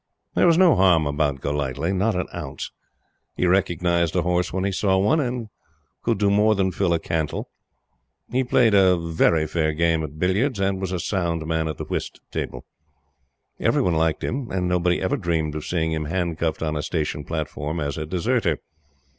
There was no harm about Golightly not an ounce. He recognized a horse when he saw one, and could do more than fill a cantle. He played a very fair game at billiards, and was a sound man at the whist table. Everyone liked him; and nobody ever dreamed of seeing him handcuffed on a station platform as a deserter.